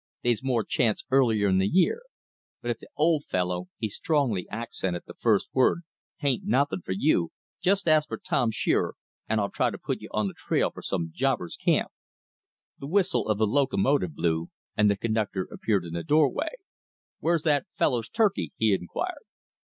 They's more chance earlier in the year. But if the OLD Fellow" (he strongly accented the first word) "h'aint nothin' for you, just ask for Tim Shearer, an' I'll try to put you on the trail for some jobber's camp." The whistle of the locomotive blew, and the conductor appeared in the doorway. "Where's that fellow's turkey?" he inquired.